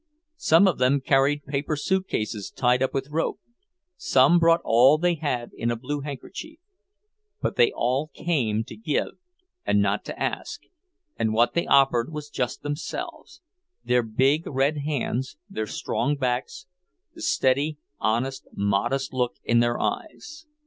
Some of them carried paper suitcases tied up with rope, some brought all they had in a blue handkerchief. But they all came to give and not to ask, and what they offered was just themselves; their big red hands, their strong backs, the steady, honest, modest look in their eyes.